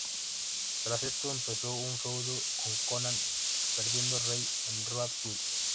Tras esto, empezó un feudo con Konnan, perdiendo Rey en "Road Wild".